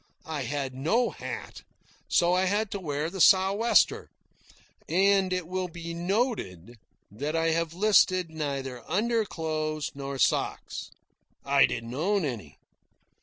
I had no hat, so I had to wear the sou'wester, and it will be noted that I have listed neither underclothes nor socks. I didn't own any.